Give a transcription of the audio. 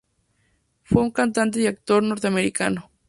Fue un cantante y actor norteamericano.